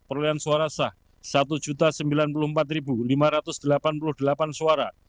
perolehan suara sah satu sembilan puluh empat lima ratus delapan puluh delapan suara